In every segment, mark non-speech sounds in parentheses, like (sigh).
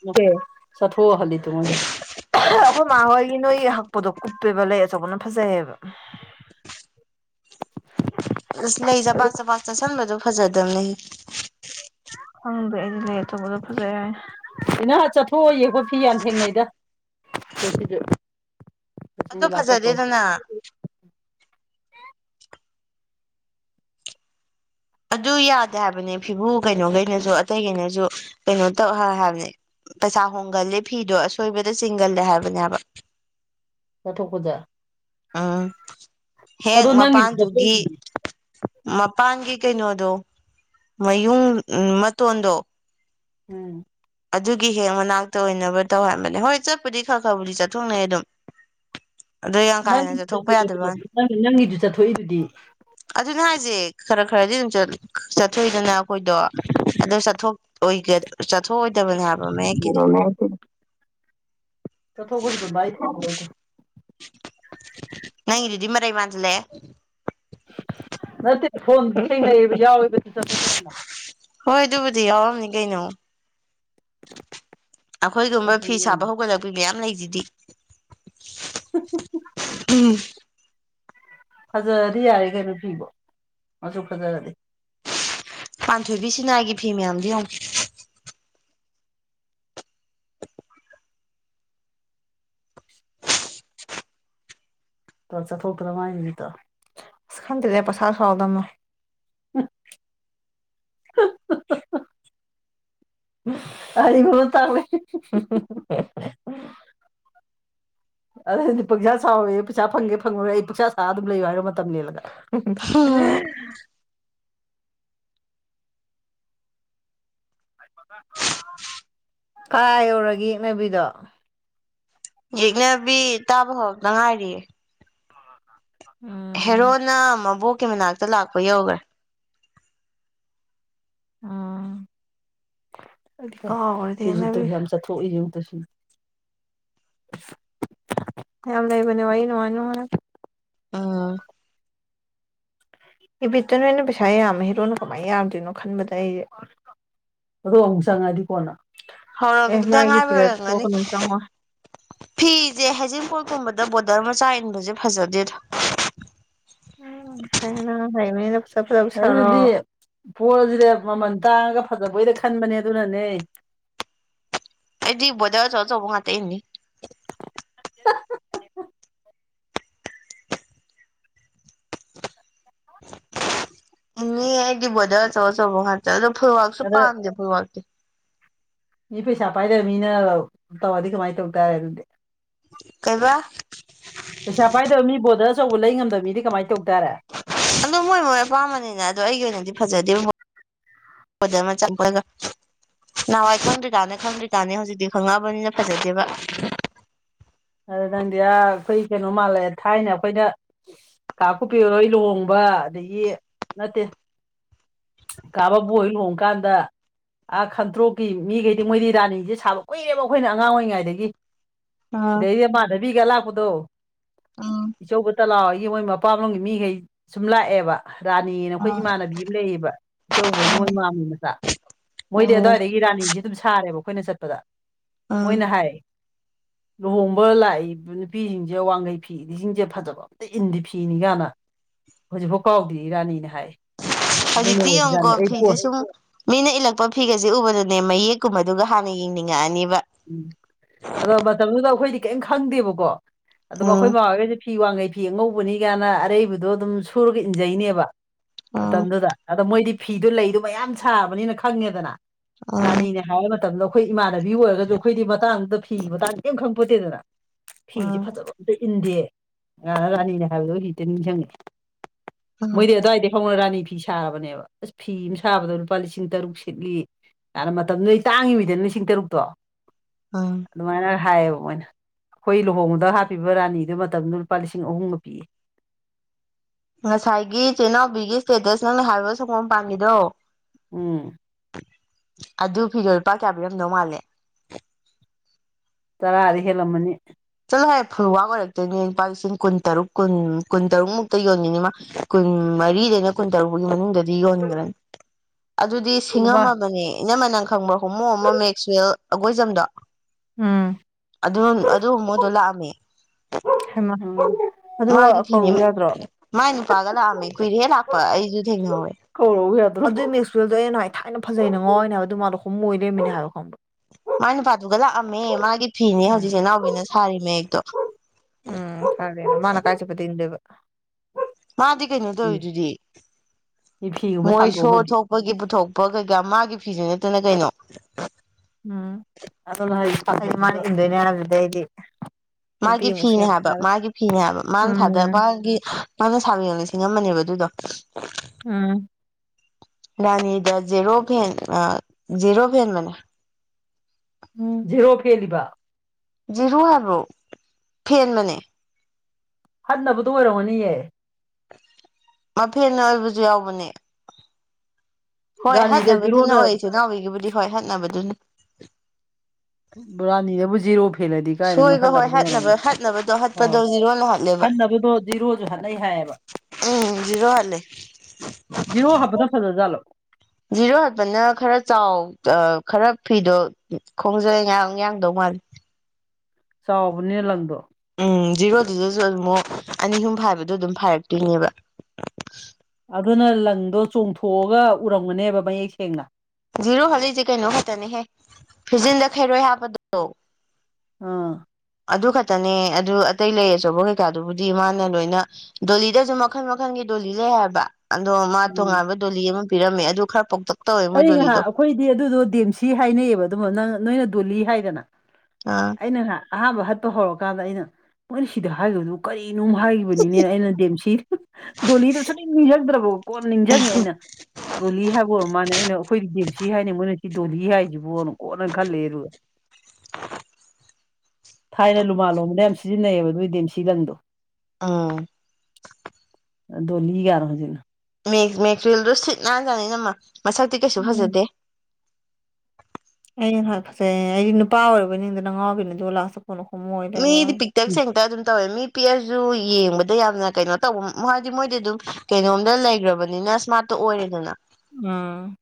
(unintelligible) ꯆꯠꯊꯣ ꯍꯜꯂꯤ (unintelligible) (unintelligible) ꯑꯩꯈꯣꯏ ꯃꯥ ꯍꯣꯏꯒꯤ ꯅꯣꯏꯒꯤ ꯍꯛꯄꯗꯣ ꯀꯨꯞꯄꯦꯕ ꯂꯩ ꯑꯆꯧꯕꯅ ꯐꯖꯩꯑꯕ ꯑꯁ ꯂꯩ ꯆꯕꯥꯛ ꯆꯕꯥꯛ ꯆꯠꯁꯤꯟꯕꯗꯣ ꯐꯖꯗꯝꯕꯅꯤ ꯈꯪꯗꯦ ꯑꯩꯗꯤ ꯂꯩ ꯑꯆꯧꯕꯗꯨ ꯐꯖꯩ ꯍꯥꯏꯅꯤ ꯑꯩꯅ ꯆꯠꯊꯣꯛꯑꯣ ꯌꯦꯛꯄꯡꯐꯤ ꯌꯥꯝ ꯊꯦꯡꯅꯩꯗ ꯇꯣꯁꯤꯁꯨ ꯑꯗꯨ ꯐꯖꯗꯦꯗꯅ ꯑꯗꯨ ꯌꯥꯗꯦ ꯍꯥꯏꯕꯅꯦ ꯐꯤꯕꯨ ꯀꯩꯅꯣꯈꯩꯅꯁꯨ ꯑꯇꯩꯈꯩꯅꯁꯨ ꯀꯩꯅꯣ ꯇꯧ ꯍꯥꯏꯕꯅꯦ ꯄꯩꯁꯥ ꯍꯣꯡꯒꯟꯂꯦ ꯐꯤꯗꯣ ꯑꯁꯣꯏꯕꯗ ꯆꯤꯡꯒꯜꯂꯦ ꯍꯥꯏꯕꯅꯦꯕ ꯆꯠꯊꯣꯛꯄꯗ ꯎꯝ ꯍꯦꯛ ꯑꯗꯣ ꯅꯪꯒꯤꯁꯨ ꯃꯄꯥꯟꯗꯨꯒꯤ ꯆꯠꯊꯣꯛꯏꯗꯨꯗꯤ ꯃꯄꯥꯟꯒꯤ ꯀꯩꯅꯣꯗꯣ ꯃꯌꯨꯡ ꯃꯇꯣꯟꯗꯣ ꯎꯝ ꯑꯗꯨꯒꯤ ꯍꯦꯛ ꯃꯅꯥꯛꯇ ꯑꯣꯏꯅꯕ ꯇꯧ ꯍꯥꯏꯕꯅꯦ ꯍꯣꯏ ꯆꯠꯄꯨꯗꯤ ꯈꯔ ꯈꯔꯕꯨꯗꯤ ꯆꯠꯊꯣꯛꯅꯩ ꯑꯗꯨꯝ ꯑꯗꯣ ꯌꯥꯝ ꯀꯥ ꯍꯦꯟꯅ ꯆꯠꯊꯣꯛꯄ ꯅꯪꯒꯤꯗꯨ ꯌꯥꯗꯕ ꯋꯥꯅꯤ ꯆꯠꯊꯣꯛꯕ ꯅꯪꯒꯤꯗꯨ ꯆꯠꯊꯣꯛꯏꯗꯨꯗꯤ ꯑꯗꯨꯅꯦ ꯍꯥꯏꯖꯦ ꯈꯔ ꯈꯔꯗꯤ ꯑꯗꯨꯝ ꯆꯠꯊꯣꯛꯏꯗꯅ ꯑꯩꯈꯣꯏꯗꯣ ꯑꯗꯨ ꯆꯠꯊꯣꯛ (unintelligible) ꯍꯥꯏꯕ ꯃꯌꯦꯛꯀꯤꯗꯤ (unintelligible) ꯆꯠꯊꯣꯛꯄꯁꯨꯗꯨꯝ (unintelligible) ꯅꯪꯒꯤꯗꯨꯗꯤ ꯃꯔꯩ ꯃꯥꯥꯟꯖꯤꯟꯂꯛꯑꯦ ꯅꯠꯇꯦ ꯐꯣꯟꯗꯤꯅ ꯌꯥꯎꯋꯦꯕ (unintelligible) ꯍꯣꯏ ꯑꯗꯨꯕꯨꯗꯤ ꯌꯥꯎꯔꯝꯅꯤ ꯀꯩꯅꯣ ꯑꯩꯈꯣꯏꯒꯨꯝꯕ ꯑꯩ ꯁꯨꯝ ꯐꯤ ꯁꯥꯕ ꯌꯦꯡꯉꯤ ꯍꯧꯒꯠꯂꯛꯄ ꯄꯤ ꯃꯌꯥꯝ ꯂꯩꯖꯤꯗꯤ ꯎꯝ ꯐꯖꯔꯗꯤ ꯌꯥꯔꯦ ꯀꯩꯅꯣ ꯐꯤꯕꯣ ꯃꯆꯨ ꯐꯖꯔꯗꯤ ꯄꯥꯟꯊꯣꯏꯕꯤꯁꯤꯅ ꯥꯏꯒꯤ ꯐꯤ ꯃꯌꯥꯝꯗꯨ ꯌꯦꯡꯉꯨ ꯆꯠꯊꯣꯛꯇ꯭ꯔ ꯃꯥꯥꯏꯅꯤꯗꯣ ꯑꯁ ꯈꯟꯗ꯭ꯔꯦ ꯄꯩꯁꯥ ꯁꯥꯎꯗ ꯑꯃ ꯫ (unintelligible) (unintelligible) ꯑꯗꯣ ꯄꯪꯁꯥ ꯁꯥꯥꯎꯋꫭꯌꯦ ꯄꯩꯁꯥ ꯐꯪꯒꯦ ꯐꯪꯉꯨꯔꯔꯦ ꯑꯩ ꯄꯛꯁꯥ ꯁꯥ ꯑꯗꯨꯝ ꯂꯩꯌꯣ ꯍꯥꯏꯔ ꯃꯇꯝ ꯂꯦꯟꯂꯒ ꯌꯦꯡꯉꯨ (unintelligible) (unintelligible) ꯀꯥ ꯌꯧꯔꯒꯦ ꯌꯦꯛꯅꯕꯤꯗꯣ ꯌꯦꯛꯅꯕꯤ ꯇꯥꯕ ꯍꯧꯔꯛꯇ ꯉꯥꯏꯔꯤꯌꯦ ꯎꯝ ꯍꯦꯔꯣꯅ ꯃꯕꯣꯛꯀꯤ ꯃꯅꯥꯛꯇ ꯂꯥꯛꯄ ꯌꯧꯒꯔꯦ ꯎꯝ (unintelligible) ꯌꯥꯝ ꯆꯠꯊꯣꯛꯏ (unintelligible) ꯌꯥꯝ ꯂꯩꯕꯅꯤ ꯋꯥꯔꯤ ꯅꯨꯡꯉꯥꯏ ꯅꯨꯉꯥꯏꯕ ꯑꯥ ꯏꯕꯤꯠꯇ ꯅꯣꯏꯅ ꯄꯩꯁꯥ ꯌꯥꯝꯃꯦ ꯍꯦꯔꯣꯅ ꯀꯃꯥꯏꯅ ꯌꯥꯗꯣꯏꯅꯣ ꯈꯟꯕꯗ ꯑꯩꯖꯦ ꯑꯗꯣ ꯑꯃꯨꯛ ꯆꯪꯉꯗꯤ ꯀꯣꯟꯅ ꯑꯦ ꯍꯧꯔꯛꯇ ꯃꯥꯒꯤ ꯉꯥꯏꯕꯩ ꯁꯤꯗ ꯑꯣꯏꯔꯝꯒꯅꯤ ꯇꯣꯛꯀꯅꯨ ꯆꯪꯉꯣꯏ ꯐꯤꯖꯦ ꯍꯩꯖꯤꯡꯄꯣꯠꯒꯨꯝꯕꯗ ꯕꯣꯔꯗꯔ ꯃꯆꯥ ꯏꯟꯕꯁꯦ ꯐꯖꯗꯦꯗꯥ (unintelligible) ꯄꯣꯠ ꯑꯖꯤꯗ ꯃꯃꯜ ꯇꯥꯡꯉꯒ ꯐꯖꯕꯣꯏꯗ ꯈꯟꯕꯅꯦ ꯑꯗꯨꯅꯅꯦ ꯑꯩꯗꯤ ꯕꯣꯗꯔ ꯑꯆꯧ ꯑꯆꯧꯕ ꯉꯥꯛꯇ ꯏꯟꯅꯤ (unintelligible) ꯏꯅꯦ ꯑꯩꯗꯤ ꯕꯣꯔꯗꯔ ꯑꯆꯧ ꯑꯆꯧꯕ ꯉꯥꯛꯇꯦ ꯑꯗꯣ ꯐꯣꯏꯋꯥꯛꯁꯨ ꯑꯗ ꯄꯥꯝꯗꯦ ꯐꯣꯏꯋꯥꯛꯇꯤ ꯃꯤ ꯄꯩꯁꯥ ꯄꯥꯏꯗꯕ ꯃꯤꯅ ꯇꯧꯔꯗꯤ ꯀꯃꯥꯏꯅ ꯇꯧ ꯇꯥꯔꯦ ꯑꯗꯨꯗꯤ ꯀꯩꯕ ꯄꯩꯁꯥ ꯄꯥꯏꯗꯕ ꯃꯤ ꯕꯣꯔꯗꯔ ꯑꯆꯧꯕ ꯂꯩ ꯉꯝꯗꯕ ꯃꯤꯗꯤ ꯀꯃꯥꯏꯅ ꯇꯧ ꯇꯥꯔꯦ ꯑꯗꫭ ꯃꯣꯏ ꯃꯣꯏ ꯑꯄꯥꯝꯕꯅꯤꯅ ꯑꯗꯣ ꯑꯩꯒꯤ ꯑꯣꯏꯅꯗꯤ ꯐꯖꯗꯦ ꯕꯣ ꯕꫭꯗꯔ ꯃꯆꯥ ꯆꯠꯄꯗꫭ ꯅꯍꯥꯟꯋꯥꯏ ꯈꯪꯗ꯭ꯔꯤꯀꯥꯟ ꯈꯪꯗ꯭ꯔꯤꯀꯥꯅꯤ ꯍꯧꯖꯤꯛꯇꯤ ꯈꯪꯉꯛꯕꯅꯤꯅ ꯐꯖꯗꯦꯕ ꯑꯗꯨ ꯅꯪꯗꯤ ꯑ ꯑꯩꯈꯣꯏ ꯀꯩꯅꯣ ꯃꯥꯜꯂꯦ ꯊꯥꯏꯅ ꯑꯩꯈꯣꯏꯅ ꯀꯥ ꯀꯨꯞꯄꯤꯍꫭꯏ ꯂꯨꯍꯣꯡꯕ ꯑꯗꯒꯤ ꯅꯠꯇꯦ ꯀꯥ ꯕꯕꯨ ꯍꯣꯏ ꯂꯣꯍꫭꯡꯀꯥꯟꯗ ꯑ ꯈꯟꯇ꯭ꯔꯣꯛꯀꯤ ꯃꯤꯒꯩꯗꯤ ꯃꯣꯏꯗꯤ ꯔꯥꯅꯤꯖꯦ ꯁꯥꯕ ꯀꯨꯏꯔꯦꯕ ꯑꯩꯈꯣꯏꯅ ꯑꯉꯥꯡ ꯑꯣꯏꯔꯤꯉꯩꯗꯒꯤ ꯎꯝ ꯁꯤꯗꯩꯗꯤ ꯃꯥꯙꯕꯤꯒ ꯂꯥꯛꯄꯗꯣ ꯎꯝ ꯏꯆꯧ ꯕꯨꯇꯂꯥ ꯍꯣꯏꯒꯤ ꯃꯣꯏ ꯃꯄꯥꯝ ꯂꯣꯝꯒꯤ ꯃꯤꯒꯩ ꯁꯨꯝ ꯂꯥꯛꯑꯦꯕ ꯔꯥꯅꯤꯅ ꯑꯩꯈꯣꯏ ꯎꯝ ꯏꯃꯥꯟꯅꯕꯤ ꯑꯃ ꯂꯩꯌꯦꯕ ꯏꯆꯧꯕꯣꯏꯒꯤ ꯃꯣꯏ ꯃꯥꯝꯒꯤ ꯃꯆꯥ ꯃꯣꯏꯗꯤ ꯎꯝ ꯑꯗꯨꯋꯥꯏꯗꯒꯤ ꯏ ꯔꯥꯅꯤꯁꯦ ꯑꯗꯨꯝ ꯁꯥꯔꯦꯕ ꯑꯩꯈꯣꯏꯅ ꯆꯠꯄꯗ ꯎꯝ ꯃꯣꯏꯅ ꯍꯥꯏ ꯂꯨꯍꯣꯡꯕ ꯂꯥꯛꯏꯕ ꯅꯨꯄꯤꯁꯤꯡꯁꯦ ꯋꯥꯡꯈꯩ ꯐꯤ ꯏꯜꯂꯤꯁꯤꯡꯁꯦ ꯐꯖꯕ ꯑꯝꯇꯥ ꯏꯟꯗꯤ ꯐꯤꯅꯤ ꯀꯅ ꯍꯧꯖꯤꯛꯐꯥꯎ ꯀꯥꯎꯗꯦꯔꯤ ꯏꯔꯥꯅꯤꯅ ꯍꯥꯏ ꯑꯗꯨꯅ ꯍꯧꯖꯤꯛꯇꯤ ꯌꯦꯡꯉꯨꯀꯣ ꯑꯣꯏꯕꯖꯥꯠꯅꯦ ꯑꯩ ꯐꯤꯁꯦ ꯀꯣꯟ ꯁꯨꯝ ꯃꯤꯅ ꯏꯜꯂꯛꯄ ꯐꯤꯒꯁꯦ ꯎꯕꯗꯅꯦ ꯃꯌꯦꯛꯀꯨꯝꯕꯗꯨꯒ ꯍꯥꯟꯅ ꯌꯦꯡꯅꯤꯡꯉꯛꯑꯅꯤꯕ ꯎꯝ ꯑꯗꯣ ꯃꯇꯝꯗꯨꯗ ꯑꯩꯈꯣꯏꯗꯤ ꯀꯔꯤꯝ ꯈꯪꯗꯦꯕꯀꯣ ꯑꯗꯨꯣ ꯑꯩꯈꯣꯏ ꯎꯝ ꯃꯥꯈꯩꯒꯁꯤ ꯐꯤ ꯋꯥꯡꯈꯩ ꯐꯤ ꯑꯉꯧꯕꯅꯤ ꯒꯥꯏꯅ ꯑꯔꯩꯕꯗꯣ ꯑꯗꯨꯝ ꯁꯨꯔꯒ ꯏꯟꯖꯩꯅꯦꯕ ꯎꯝ ꯃꯇꯝꯗꯨꯗ ꯑꯗ ꯃꯣꯏꯗꯤ ꯐꯤꯗꯣ ꯂꯩꯗꯣ ꯃꯌꯥꯝ ꯁꯥꯕꯅꯤꯅ ꯈꯪꯉꯦꯗꯅ ꯎꯝ ꯔꯥꯅꯤꯅꯦ ꯍꯥꯅꯩ ꯃꯇꯝꯗ ꯑꯩꯈꯣꯏ ꯏꯃꯥꯟꯅꯕꯤ ꯑꯣꯏꯔꯒꯁꯨ ꯑꯩꯈꯣꯏꯗꯤ ꯃꯇꯥꯡꯗꯨꯗ ꯐꯤ ꯃꯇꯥꯡꯗ ꯀꯩꯝ ꯈꯪꯄꯣꯠꯇꯦꯗꯅ ꯐꯤꯁꯦ ꯎꯝ ꯐꯖꯕ ꯑꯝꯇ ꯏꯟꯗꯦ ꯑ ꯔꯥꯅꯤꯅꯦ ꯍꯥꯏꯕꯗꯣ ꯍꯣꯖꯤꯛꯇ ꯅꯤꯡꯁꯤꯡꯉꯛꯑꯦ ꯎꯝ ꯃꯣꯏꯗꯤ ꯑꯗꯨ꯭ꯋꯥꯏꯗꯩ ꯍꯧꯅ ꯔꯥꯅꯤ ꯐꯤ ꯁꯥꯕꯅꯦꯕ ꯑꯁ ꯐꯤ ꯑꯃ ꯁꯥꯕꯗꯣ ꯂꯨꯄꯥ ꯂꯤꯁꯤꯡ ꯇꯔꯨꯛ ꯁꯤꯠꯂꯤ ꯑꯅ ꯃꯇꯝꯗꯨꯗꯅꯩꯗ ꯇꯥꯡꯉꯤꯃꯤꯗꯅ ꯂꯤꯁꯤꯡ ꯇꯔꯨꯛꯇꯣ ꯑ ꯑꯗꯨꯃꯥꯏꯅ ꯍꯥꯏꯌꯦꯕ ꯃꯣꯏꯅ ꯑꯩꯈꯣꯏ ꯂꯨꯍꯣꯡꯕꯗ ꯍꯥꯞꯄꯤꯕ ꯔꯥꯅꯤꯗꯨ ꯃꯇꯝꯗꯨꯗ ꯂꯨꯄꯥ ꯂꯤꯁꯤꯡ ꯑꯍꯨꯝꯒ ꯄꯤꯌꯦ ꯉꯁꯥꯏꯒꯤ ꯆꯤꯅꯥꯎꯕꯤꯒꯤ ꯏꯁꯇꯦꯇꯁ ꯅꯪꯅ ꯍꯥꯏꯕ ꯁꯪꯒꯣꯝ ꯄꯥꯝꯃꯤꯗꯣ ꯎꯝ ꯑꯗꯨ ꯐꯤꯗꯣ ꯂꯨꯄꯥ ꯀꯌꯥ ꯄꯤꯔꯝꯗꯧ ꯃꯥꯜꯂꯦ ꯇꯔꯥꯗꯤ ꯍꯦꯜꯂꯝꯃꯅꯤ ꯆꯠꯂꯣꯍꯦ ꯐꯨꯜ ꯋꯥ ꯑꯣꯏꯔꯛꯇꯣꯏꯅꯦ ꯂꯨꯄꯥ ꯂꯤꯁꯤꯡ ꯀꯨꯟ ꯇꯔꯨꯛ ꯀꯨꯟ ꯀꯨꯟ ꯇꯔꯨꯛ ꯃꯨꯛꯇ ꯌꯣꯟꯅꯤꯡꯤꯅꯤꯃ ꯀꯨꯟ ꯃꯔꯤꯗꯒꯤꯅ ꯀꯨꯟ ꯇꯔꯨꯛꯒꯤ ꯃꯅꯨꯡꯗꯗꯤ ꯌꯣꯟꯈ꯭ꯔꯅꯤ ꯑꯗꯨꯗꯤ ꯁꯤꯡꯉꯝꯃꯕꯅꯦ ꯏꯅꯃ ꯅꯪ ꯈꯪꯕꯔꯣ ꯍꯣꯃꯣ ꯑꯃ ꯃꯦꯛꯆꯋꯦꯜ ꯑꯩꯒꯣꯏꯖꯝꯗꯣ ꯎꯝ ꯑꯗꯨ ꯑꯗꯨ ꯍꯣꯃꯣꯗꯣ ꯂꯥꯛꯑꯝꯃꯦ inaudible ꯃꯥꯒꯤ ꯐꯤꯅꯤ ꯃꯥꯏ ꯅꯨꯄꯥꯒ ꯂꯥꯛꯑꯝꯃꯦ ꯀꯨꯏꯔꯦꯍꯦ ꯂꯥꯛꯄ ꯑꯩꯁꯨ ꯊꯦꯡꯅꯍꯧꯋꯦ ꯀꯧꯔꯛꯎꯌꯥꯗꯔꯣ ꯑꯗꯨ꯭ꯏ‌ ꯃꯦꯛꯆꯋꯦꯂꯗꯣ ꯑꯩꯅ ꯅꯥꯍꯋꯥꯏ ꯊꯥꯏꯅ ꯐꯖꯩꯅ ꯉꯥꯎꯥꯏꯅꯦ ꯍꯥꯏꯕ ꯑꯗꯨ ꯃꯥꯗꯣ ꯍꯣꯃꯣ ꯃꯣꯏ ꯂꯩꯝꯃꯤꯅꯦ ꯍꯥꯏꯕ ꯈꯪꯕ ꯃꯥꯏ ꯅꯨꯄꯥꯗꯨꯒ ꯂꯥꯛꯑꯝꯃꯦ ꯃꯥꯒꯤ ꯐꯤꯅꯦ ꯎꯝ ꯍꯧꯖꯤꯛ ꯆꯦꯅꯥꯎꯕꯤꯅ ꯁꯥꯔꯤ ꯃꯌꯦꯛꯇꯣ ꯎꯝ ꯀꯔꯅ ꯃꯥꯅ ꯀꯥꯏꯆ ꯄꯠꯇꯤ ꯏꯟꯗꯨꯏꯕ ꯃꯥꯗꯤ ꯀꯩꯅꯣ ꯇꯧꯔꯤꯗꯨꯗꯤ ꯃꯤ ꯐꯤꯒꯨꯝꯕ ꯃꯣꯏ ꯁꯣ ꯁꯥꯝꯗꯣꯛꯑꯝꯃꯗꯤ ꯊꯣꯛ ꯃꯣꯏꯒꯤ ꯄꯨꯊꯣꯛꯄ ꯀꯩꯀꯥ ꯃꯥꯒꯤ ꯐꯤꯁꯤꯡ ꯅꯠꯇꯅꯤ ꯀꯩꯅꯣ ꯎꯝ inaudible ꯃꯥꯅ ꯏꯟꯗꯨꯏꯅꯦ ꯍꯥꯏꯕꯗꯨꯗꯤ ꯑꯩꯗꯤ ꯃꯥꯒꯤ ꯅꯨꯄꯤ ꯑꯃꯨꯛ ꯐꯤꯅꯦ ꯁꯦꯝ ꯍꯥꯏꯕ ꯁꯥꯔꯦ ꯃꯥꯒꯤ ꯐꯤꯅꯦ ꯍꯥꯏꯕ ꯃꯥꯅ ꯊꯥꯗ ꯎꯝ ꯃꯥꯒꯤ ꯃꯥꯅ ꯁꯥꯕ ꯂꯤꯁꯤꯡꯉꯝꯃꯅꯦꯕ ꯑꯗꯨꯗꯣ ꯎꯝ ꯔꯥꯅꯤꯗ ꯖꯦꯔꯣ ꯐꯦꯟ ꯑ ꯖꯦꯔꯣ ꯐꯦꯟꯕꯅꯦ ꯎꯝ ꯖꯦꯔꯣ ꯐꯦꯜꯂꯤꯕ ꯖꯤꯔꯣ ꯍꯥꯏꯕꯣ ꯐꯦꯟꯕꯅꯦ ꯍꯠꯅꯕꯗꯣ ꯑꯣꯏꯔꯝꯒꯅꯤꯌꯦ ꯃꯐꯦꯟꯅ ꯑꯣꯏꯕꯁꯨ ꯌꯥꯎꯕꯅꯦ ꯍꯣꯏ ꯔꯥꯅꯤꯗ ꯍꯥꯠꯅꯕꯗꯨꯅ ꯖꯤꯔꯣꯅ ꯑꯣꯏ ꯏꯨꯅꯥꯎꯕꯤꯒꯤꯕꯨꯗꯤ ꯍꯣꯏ ꯍꯥꯠꯅꯕꯗꯨꯅ ꯕꯔꯥꯅꯤꯗꯕꯨꯖꯤꯔꯣ ꯐꯤꯜꯂꯗꯤ ꯀꯥꯏꯗꯅꯣ ꯁꯣꯏꯕ ꯍꯣꯏ ꯍꯟꯅꯕꯗꯣ ꯑꯣꯏꯔꯝꯅꯤ ꯍꯠꯅꯕ ꯍꯠꯅꯕꯗꯣ ꯑꯥꯎ ꯍꯠꯄꯗꯣ ꯖꯤꯔꯣꯅ ꯍꯠꯂꯦꯕ ꯍꯟꯅꯕꯗꯣ ꯖꯤꯔꯣꯁꯨ ꯍꯠꯟꯅꯩ ꯍꯥꯏꯌꯦꯕ ꯎꯝ ꯖꯤꯔꯣꯍ ꯂꯩ ꯖꯤꯔꯣ ꯍꯥꯞꯕꯗ ꯐꯖ ꯆꯂꯣ ꯖꯤꯔꯣ ꯍꯥꯠꯄꯅ ꯈꯔ ꯆꯥꯎ ꯈꯔ ꯐꯤꯗꯣ ꯈꯣꯡꯖꯩ ꯉ ꯌꯥꯡꯗꯧ ꯃꯥꯜꯂꯦ ꯆꯥꯎꯕꯅꯦ ꯂꯪꯗꯣ ꯎꯝ ꯖꯤꯔꯣꯗꯨꯗꯁꯨ ꯑꯗꯨꯝꯨꯛ ꯑꯅꯤ ꯑꯍꯨꯝ ꯐ ꯍꯥꯏꯕꯗꯣ ꯑꯗꯨꯝ ꯐꯔꯛꯇꯣꯏꯅꯦꯕ ꯑꯗꯨꯅ ꯂꯪꯗꯣ ꯆꯣꯡꯊꯣꯛꯑꯒ ꯎꯔꯝꯒꯅꯦꯕ ꯃꯌꯦꯛ ꯁꯦꯡꯅ ꯖꯤꯔꯣ ꯍꯜꯂꯤꯁꯦ ꯀꯩꯅꯣ ꯈꯛꯇꯅꯤꯍꯦ ꯐꯤꯖꯤꯟꯗ ꯈꯩꯔꯣꯏ ꯍꯥꯞꯄꯗ ꯑꯥ ꯑꯗꯨ ꯈꯛꯇꯅꯦ ꯑꯗꯨ ꯑꯇꯩ ꯂꯩ ꯑꯆꯧꯕ ꯀꯩꯀꯥꯗꯨꯕꯨꯗꯤ ꯃꯥꯅ ꯂꯣꯏꯅ ꯗꯣꯂꯤꯗꯁꯨ ꯃꯈꯜ ꯃꯈꯜꯒꯤ ꯗꯣꯂꯤ ꯂꯩ ꯍꯥꯏꯕ ꯑꯗꯣ ꯃꯥ ꯎꯝ ꯇꯣꯉꯥꯟꯕ ꯗꯣꯂꯤ ꯑꯃ ꯄꯤꯔꯝꯃꯦ ꯑꯗꯨ ꯈꯔ ꯄꯣꯛꯇ ꯑꯩ ꯉꯥꯏꯍꯥꯛ ꯑꯩꯈꯣꯏꯗꯤ ꯑꯗꯨꯗꯣ ꯗꯦꯝꯁꯤ ꯍꯥꯏꯅꯩꯕ ꯑꯗꯨꯃ ꯅꯪ ꯅꯣꯏꯅ ꯗꯣꯂꯤ ꯍꯥꯏꯗꯅ ꯑ ꯑꯩꯅ ꯉ ꯑꯍꯥꯟꯕ ꯍꯠꯄ ꯍꯧꯔꯀꯥꯟꯗ ꯑꯩꯅ ꯃꯣꯏꯅ ꯁꯤꯗ ꯍꯥꯏꯈꯤꯕꯗꯨ ꯀꯔꯤꯅꯣ ꯍꯥꯏꯈꯤꯕꯅ ꯕꯅꯦ ꯑꯩꯅ ꯦꯝꯁꯤ ꯗꯣꯂꯤꯗ ꯁ ꯅꯤꯡꯁꯤꯡꯗ꯭ꯔꯕ ꯀꯣꯟ ꯅꯤꯡꯁꯤꯡꯉꯦ ꯑꯩꯅ ꯔꯂꯤ ꯍꯥꯕꯕꯨꯣ ꯃꯥꯅꯦ ꯑꯩꯅ ꯑꯩꯈꯣꯏꯗꯤ ꯖꯦꯝꯁꯤ ꯍꯥꯏꯅꯤ ꯃꯣꯏꯅ ꯁꯤ ꯗꯣꯂꯤ ꯍꯥꯏꯁꯤꯕꯣꯅ ꯀꯣꯠꯅ ꯈꯜꯂꯦ ꯑꯗꯨꯒ ꯊꯥꯏꯅ ꯂꯨꯃꯥ ꯂꯣꯝꯗꯅ ꯌꯥꯝ ꯁꯤꯖꯤꯟꯅꯩꯌꯦꯕ ꯑꯗꯨꯏꯗꯤꯦꯝ ꯁꯤꯔꯪꯗꯣ ꯑꯥ ꯗꯣꯜꯂꯤꯒꯔ ꯍꯧꯖꯤꯦꯅ ꯃꯦꯔꯤꯜꯗꯣ ꯁꯤꯠ ꯅꯥꯟꯖꯥꯅꯤ ꯅꯃ ꯃꯁꯛꯇꯤ ꯀꯩꯁꯨ ꯎꯝ ꯐꯖꯗꯦ ꯑ ꯍꯥꯏꯐꯠꯁꯦ ꯑꯩꯗꯤ ꯅꯨꯄꯥ ꯑꯣꯏꯔꯕꯅꯤꯗ ꯅ ꯉꯥꯎꯕꯤꯅꯗꯤ ꯂꯥꯛꯥꯁ ꯀꯨꯅ ꯈꯨꯝꯃ ꯑꯣꯏꯔꯦ ꯚꯣꯏ ꯇꯦꯛ ꯁꯦꯡꯇꯔ ꯑꯗꯨꯝ ꯇꯧꯋꯦ ꯃꯤ ꯄꯤꯛꯑꯁꯨ ꯌꯦꯡꯕꯗ ꯌꯥꯝꯅ ꯀꯩꯅꯣ ꯇꯧꯕ ꯍꯥꯏꯗꯤ ꯃꯣꯏꯗꯤ ꯑꯗꯨꯝ ꯀꯩꯅꯣꯝꯇ ꯂꯩꯈ꯭ꯔꯕꯅꯤꯅ ꯁꯃꯥꯠꯇ ꯑꯣꯏꯔꯦꯗꯅ ꯎꯝ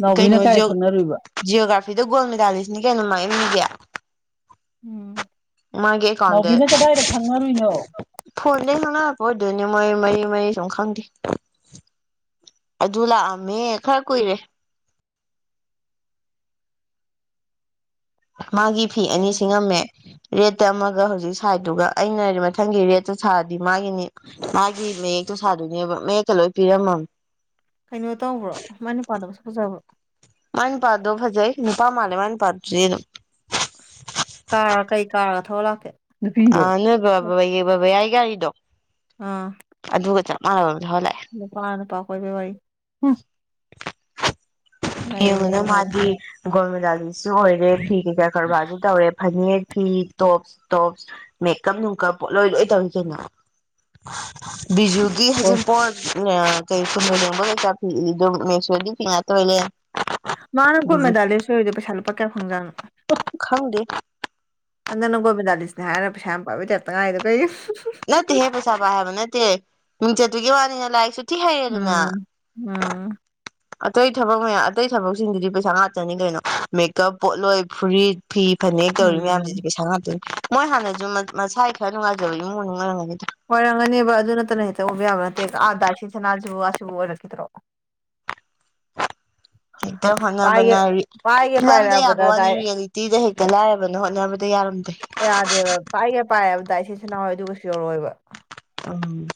ꯅꯥꯎꯕꯤꯅ ꯀꯩꯅꯣ ꯀꯥꯏ ꯖꯤ ꯈꯪꯅꯔꯨꯏꯕ ꯖꯤꯑꯣꯒ꯭ꯔꯥꯐꯤꯗ ꯒꯣꯜ ꯃꯦꯗꯥꯂꯤꯁꯅꯤ ꯀꯩꯅꯣ ꯃꯥꯡꯏꯅꯤꯒꯦ ꯎꯃꯒꯦ ꯀꯥꯟꯗꯦ ꯅꯥꯎꯕꯤꯅ ꯀꯗꯥꯏꯗ ꯈꯪꯅꯔꯨꯏꯅꯣ ꯐꯣꯟꯗꯩ ꯈꯪꯅꯔꯛꯄ ꯑꯣꯏꯗꯣꯏꯅꯦ ꯃꯣꯏ ꯃꯔꯤ ꯃꯔꯤ ꯁꯨꯝ ꯈꯪꯗꯦ ꯑꯗꯨ ꯂꯥꯛꯑꯝꯃꯦ ꯈꯔ ꯀꯨꯏꯔꯦ ꯃꯥꯒꯤ ꯐꯤ ꯑꯅꯤ ꯁꯤꯉꯝꯃꯦ ꯔꯦꯠꯇ ꯑꯃꯒ ꯍꯧꯖꯤꯛ ꯁꯥꯏꯗꯨꯒ ꯑꯩꯅ ꯃꯊꯪꯒꯤ ꯔꯦꯠꯇ ꯁꯥꯔꯗꯤ ꯃꯥꯒꯤꯅꯤ ꯃꯥꯒꯤ ꯃꯌꯦꯛꯇꯣ ꯁꯥꯗꯣꯏꯅꯦꯕ ꯃꯌꯦꯛꯀ ꯂꯣꯏ ꯄꯤꯔꯝꯃꯕ ꯀꯩꯅꯣ ꯇꯧꯕ꯭ꯔꯣ ꯃꯅꯤꯄꯥꯥꯟꯗꯕꯁꯨ ꯐꯖꯕ꯭ꯔꯣ ꯃꯥꯏꯅ ꯄꯥꯗꯣ ꯐꯖꯩ ꯅꯨꯄꯥ ꯃꯥꯜꯂꯦ ꯃꯥꯏꯅ ꯄꯥꯗ꯭ꯔꯗꯤ ꯑꯗꯨꯝ ꯀꯥ ꯀꯩ ꯀꯥꯒ ꯊꯣ ꯂꯥꯛꯀꯦ ꯑ ꯅꯨꯄꯤꯔꯣ ꯅꯣꯏ ꯕꯕꯥꯕꯥ ꯕꯕꯥ ꯌꯥꯏ ꯒꯥꯔꯤꯗꯣ ꯑꯥ ꯑꯗꯨꯒ ꯆꯞ ꯃꯥꯟꯅꯕꯗꯂꯥꯛꯑꯦ ꯄꯥꯅ ꯄꯈꯣꯏ ꯋꯥ ꯋꯥꯔꯤ ꯍꯨꯝ ꯂꯩꯌꯦ ꯌꯦꯡꯉꯅ ꯍꯣꯏ ꯃꯥꯗꯤ ꯒꯣꯜꯃꯗꯥꯂꯤꯁꯨ ꯑꯣꯏꯔꯦ ꯐꯤ ꯀꯩꯀꯥ ꯀꯔꯕꯥꯔꯁꯨ ꯇꯧꯋꯦ ꯐꯅꯦꯛ ꯐꯤ ꯇꯣꯞꯁ ꯇꯣꯞꯁ ꯃꯦꯀꯞ ꯅꯨꯡꯀꯞꯠ ꯂꯣꯏ ꯂꯣꯏ ꯇꯧꯔꯤꯁꯦꯅ ꯕꯤꯖꯨꯒꯤ ꯍꯖꯤꯝꯄꯣ ꯀꯩ ꯀ ꯌꯦꯕ ꯀꯩꯀꯤ ꯃꯦꯁꯣꯔꯗꯤ ꯐꯤ ꯉꯇꯂꯦ ꯃꯥꯅ ꯀꯣꯏ ꯃꯦꯗꯥꯗꯔꯁꯨꯣꯏꯗꯣ ꯄꯩꯁꯥ ꯂꯨꯄꯥ ꯀꯌꯥ ꯐꯪꯖꯥꯅꯣ ꯈꯪꯗꯦ ꯑꯗꯪ ꯅꯪ ꯒꯣꯕꯤꯦꯟꯗꯥꯂꯤꯁꯅꯦ ꯍꯥꯏꯔ ꯄꯩꯁꯥ ꯌꯥꯝ ꯄꯥꯏꯕꯤ ꯇꯦꯇ ꯉꯥꯏꯗꯣ ꯀꯩ ꯅꯠꯇꯦꯍꯦ ꯄꯩꯁꯥ ꯄꯥꯏ ꯍꯥꯏꯕ ꯅꯠꯇꯦ ꯃꯤꯡꯆꯠꯇꯨꯒꯤ ꯋꯥꯅꯤꯍꯦ ꯂꯥꯏꯔꯤꯛꯁꯨ ꯊꯤ ꯍꯩꯔꯦꯗꯅ ꯎꯝ ꯎꯝ ꯑꯇꯩ ꯊꯕꯛ ꯃꯌꯥꯝ ꯑꯇꯩ ꯊꯕꯛꯁꯤꯡꯗꯨꯗꯤ ꯄꯩꯁꯥ ꯉꯥꯛꯇꯅꯤ ꯀꯩꯅꯣ ꯃꯦꯀꯞ ꯄꯣꯠꯂꯣꯏ ꯐꯨꯔꯤꯠ ꯐꯤ ꯐꯅꯦꯛ ꯀꯧꯔꯤ ꯃꯌꯥꯝꯁꯤꯗꯤ ꯎꯝ ꯄꯩꯁꯥ ꯉꯥꯛꯇꯅꯤ ꯃꯣꯏ ꯍꯥꯟꯅꯁꯨ ꯃꯁꯥꯏ ꯈꯔ ꯅꯨꯡꯉꯥꯏꯖꯕꯒꯤ ꯏꯃꯨꯡ ꯃꯅꯨꯡꯅꯨꯡ ꯑꯣꯏꯔꯝꯒꯅꯤꯗ ꯑꯣꯏꯔꯝꯒꯅꯦꯕ ꯑꯗꯨ ꯅꯠꯇꯅ ꯍꯦꯛꯇ ꯎꯕ ꯌꯥꯕ ꯅꯠꯇꯦ ꯑꯥꯗꯥ ꯁꯤ ꯁꯅꯥꯜꯁꯤꯕꯨ ꯑꯁꯤꯕꯨ ꯑꯣꯏꯔꯛꯈꯤꯗ꯭ꯔꯣ ꯍꯦꯛꯇ ꯄꯥꯏꯒꯦ ꯍꯣꯇꯅꯥꯕꯥꯅꯥ ꯔꯤꯆ꯫ ꯄꯥꯏꯒꯦ ꯐꯤꯂꯝꯗ ꯌꯥꯕ ꯄꯥꯏꯔꯛꯑꯕꯗ ꯋꯥꯅꯤ ꯗꯥꯏ ꯔꯤꯌꯦꯂꯤꯇꯤꯗ ꯍꯦꯛꯇ ꯂꯥꯏꯔꯕꯅ ꯍꯣꯠꯅꯕꯗ ꯌꯥꯔꯝꯗ꯭ꯔꯦ ꯌꯥꯗꯦꯕ ꯄꯥꯏꯒꯦ ꯄꯥꯏꯑꯕꯗ ꯏꯆꯦ ꯁ ꯅꯍꯎꯣꯏ ꯑꯗꯨꯒꯁꯨ ꯌꯧꯔꯛꯣꯏꯕ ꯎꯝ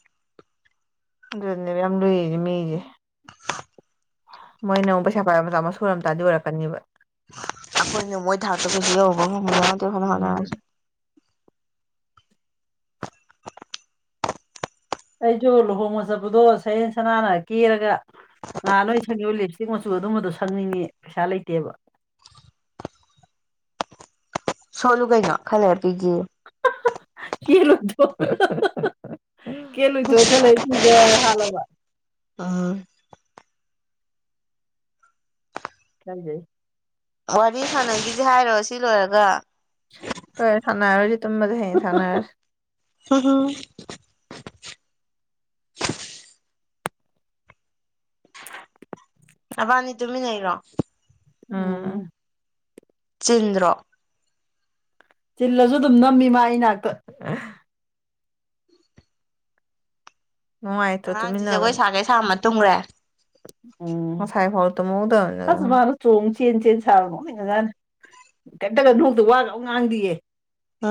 ꯑꯗꯨꯅꯦ ꯌꯥꯝ ꯂꯨꯏꯔꯤꯅꯦꯦ ꯃꯤꯒꯤ ꯃꯣꯏꯅ ꯑꯃꯨꯛ ꯄꯩꯁꯥ ꯄꯥꯏꯕ ꯃꯆꯥ ꯃꯁꯨ ꯑꯣꯏꯔꯝ ꯇꯥꯔꯗꯤ ꯑꯣꯏꯔꯛꯀꯅꯤꯕ ꯎꯝ (unintelligible) ꯑꯩꯁꯨ ꯂꯨꯍꯣꯡꯕ ꯆꯠꯄꯗꯣ ꯁꯌꯦꯦꯟ ꯁꯅꯥꯅ ꯀꯦꯔꯒ ꯉꯍꯥꯟ ꯂꯣꯏ ꯁꯪꯉꯕ ꯂꯤꯞꯁꯦ ꯆ ꯃꯆꯨ ꯑꯗꯨꯝꯕꯗꯣ ꯁꯪꯅꯤꯡꯉꯦ ꯄꯩꯁꯥ ꯂꯩꯇꯦꯕ ꯁꯣꯜꯂꯨ ꯀꯩꯅꯣ ꯈꯜꯂꯦꯔ ꯄꯤꯒꯤꯦ ꯀꯅ ꯊ ꯀꯅ ꯊꯣ ꯈ ꯂꯩ (unintelligible) ꯑꯥ ꯏꯀꯥꯏꯖꯦꯏ ꯋꯥꯔꯤ ꯁꯥꯟꯅꯈꯤꯁꯦ ꯍꯥꯏꯔꯣ ꯁꯤ ꯂꯣꯏꯔꯒ ꯇꯣꯏ ꯊꯥꯟꯅꯔꯔꯦꯏꯁꯦ ꯇꯨꯃꯁꯦ ꯍꯌꯦꯡ ꯊꯅꯔꯁꯤ (unintelligible) ꯅꯕꯥꯅꯤ ꯇꯨꯃꯤꯟꯅꯩꯔꯣ ꯎꯝ ꯆꯤꯟꯗ꯭ꯔꯣ ꯆꯤꯜꯂꯁꯨ ꯑꯗꯨꯝ ꯅꯝꯃꯤ ꯃꯥ ꯑꯩ ꯅꯥꯛꯇ ꯅꯨꯡꯉꯥꯏꯇ꯭ꯔꯣ ꯑꯉꯥꯡꯁꯤ ꯖꯒꯣꯏ ꯁꯥꯒꯦ ꯁꯥꯕ ꯃꯇꯨꯡ ꯇꯨꯝꯈ꯭ꯔꯦ ꯎꯝ ꯉꯁꯥꯏ ꯐꯥꯎ ꯇꯝꯍꯧꯗꯕꯅꯤ ꯑꯁ ꯃꯥꯅ ꯆꯣꯡ ꯆꯦꯟ ꯆꯦꯟ ꯁꯥꯕꯣꯖꯥꯠ ꯅꯣꯛꯅꯤꯡ ꯈꯔꯖꯥꯠꯅꯤ ꯀꯩꯝꯇꯒ ꯅꯧꯗ ꯋꯥꯒ ꯉꯥꯡꯗꯤꯑꯌꯦ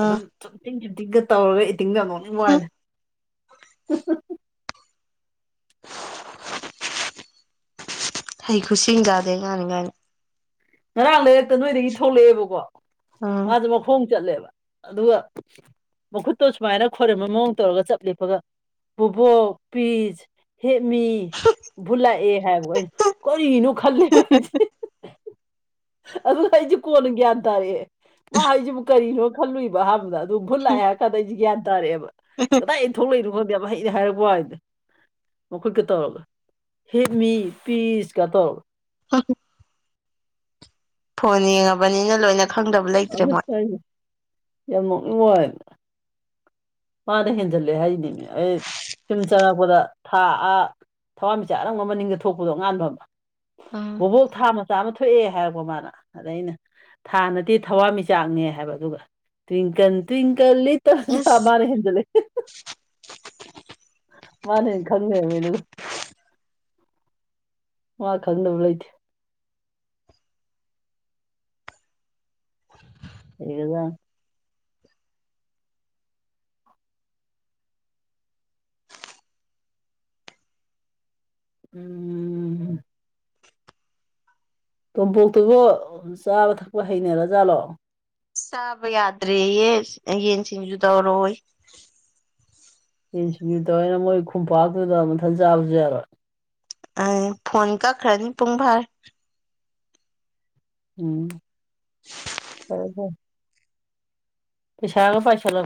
ꯎꯝ ꯊꯨꯝꯇꯤꯡ ꯁꯨꯝꯊꯤꯡꯒ ꯇꯧꯔꯒ ꯏꯇꯤꯡꯗꯣ ꯍꯨꯝ ꯅꯣꯛꯅꯤꯡꯕꯉꯥꯏꯅꯤ ꯍꯩ ꯈꯨꯠꯁꯤꯡꯒꯗꯦ ꯑꯉꯥꯏꯅꯤ ꯒꯥꯏꯅ ꯉꯔꯥꯡ ꯂꯩꯔꯛꯇ ꯅꯣꯏꯗꯒꯤ ꯊꯣꯛꯂꯛꯑꯦꯕꯀꯣ ꯎꯝ ꯃꯥꯁꯦ ꯃꯈꯣꯡ ꯆꯠꯂꯦꯕ ꯑꯗꯨꯒ ꯃꯈꯨꯠꯇꯣ ꯁꯨꯃꯥꯏꯅ ꯈꯣꯏꯔꯝꯕ ꯃꯑꯣꯡ ꯇꯧꯔꯒ ꯆꯞ ꯂꯦꯞꯄꯒ ꯄꯨꯕꯣꯛ ꯄꯤꯁ ꯍꯦꯃꯤ ꯚꯨꯠꯂꯛꯑꯦ ꯍꯥꯏꯕ ꯑꯩ ꯀꯔꯤꯅꯣ ꯈꯜꯂꯦꯕꯁꯦ ꯑꯗꯨ ꯑꯩꯁꯦ ꯀꯣꯟꯅ ꯒ꯭ꯌꯥꯟ ꯇꯥꯔꯛꯑꯦ ꯃꯥ ꯍꯥꯏꯁꯤꯕꯨ ꯀꯔꯤꯅꯣ ꯈꯜꯂꯨꯏꯕ ꯑꯍꯥꯟꯕꯗ ꯑꯗꯨꯝ ꯐꯨꯠ ꯂꯥꯛꯑꯦ ꯍꯥꯏꯔ ꯀꯥꯟꯗ ꯑꯩꯁꯦ ꯒ꯭ꯌꯥꯟ ꯇꯥꯔꯑꯦ ꯀꯗꯥꯏꯗꯒꯤꯟ ꯊꯣꯛꯂꯛꯏꯅꯣ ꯈꯪꯗꯦꯕ ꯍꯩꯅ ꯍꯥꯏꯔꯛꯄ ꯋꯥ ꯍꯥꯏꯅꯤꯗ ꯃꯈꯣꯏ ꯀ ꯇꯧꯔꯂ ꯍꯦꯞꯃꯤ ꯄꯤꯁ ꯀ ꯇꯧꯔꯦ (unintelligible) ꯐꯣꯟ ꯌꯦꯡꯉꯕꯅꯤꯅ ꯂꯣꯏꯅ ꯈꯪꯗꯕ ꯂꯩꯇ꯭ꯔꯦ ꯃꯣꯏ ꯌꯥꯝ ꯅꯣꯛꯅꯤꯡꯕ ꯋꯅꯤꯗ ꯃꯥꯅ ꯍꯦꯟꯖꯜꯂꯦ ꯍꯥꯏꯅꯤꯅꯦ ꯑꯦ ꯁꯨꯝ ꯆꯪꯉꯛꯄꯗ ꯊꯥꯛꯑ ꯊꯋꯥꯟꯃꯤꯆꯆꯥ ꯑꯅꯪꯕ ꯃꯅꯤꯡꯗ ꯊꯣꯛꯄꯗꯣ ꯉꯉꯥꯟꯕ ꯎꯝ ꯕꯣꯕꯣꯛ ꯊꯥ ꯃꯆꯥ ꯑꯃ ꯊꯣꯛꯑꯦ ꯍꯥꯏꯔꯛꯄꯣ ꯃꯥꯅ ꯑꯗ ꯑꯩꯅ ꯊꯥꯅꯠꯇꯦ ꯊꯋꯥꯟꯃꯤꯆꯥꯛꯅꯦ ꯍꯥꯏꯕ ꯑꯗꯨꯒ ꯇ꯭ꯋꯤꯡꯀꯜ ꯇ꯭ꯋꯡꯀꯜ ꯂꯤꯠ ꯏꯁ ꯂꯣꯏ ꯍꯦꯟꯖꯥꯜ ꯂꯩ ꯃꯥꯅ ꯍꯦꯟꯅ ꯈꯪ ꯂꯧꯔꯝꯃꯦ ꯑꯗꯨꯒ ꯋꯥ ꯀ ꯑꯗꯨꯗ ꯅꯕ ꯂꯩꯣꯏꯦ ꯁꯤꯒꯗ ꯎꯝ ꯎꯝ ꯇꯣꯝꯄꯣꯛꯇꯨꯕꯨ ꯆꯥꯕ ꯊꯛꯄ ꯍꯩꯅꯔꯖꯥꯠꯂꯣ ꯆꯥꯕ ꯌꯥꯗ꯭ꯔꯦ ꯑꯦ ꯌꯦꯟꯁꯤꯡꯁꯨ ꯇꯧꯔꯣꯏ ꯏꯟꯁꯇꯤꯇ꯭ꯌꯨꯠ ꯇꯧ ꯑꯩꯅ ꯃꯣꯏ ꯈꯣꯡꯄꯥꯛꯇꯨꯗ ꯃꯊꯟ ꯆꯥꯕꯁꯨ ꯌꯥꯔꯣꯏ ꯑ ꯐꯣꯟ ꯀꯛꯈ꯭ꯔꯅꯤ ꯄꯨꯡ ꯐꯥꯔ ꯎꯝ ꯑꯣ ꯍ ꯄꯩꯁꯥꯒ ꯄꯥꯁꯥ ꯂ